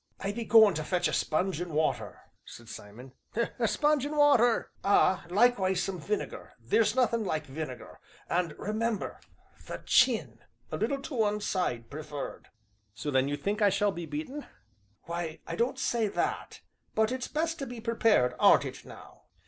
"I be goin' to fetch a sponge and water," said Simon. "A sponge and water!" "Ah! Likewise some vinegar theer's nothin' like vinegar and remember the chin, a little to one side preferred." "So then you think I shall be beaten?" "Why, I don't say that, but it's best to be prepared, aren't it now?"